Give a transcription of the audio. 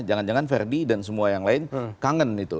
jangan jangan ferdi dan semua yang lain kangen itu